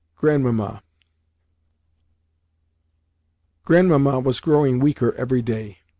GRANDMAMMA Grandmamma was growing weaker every day.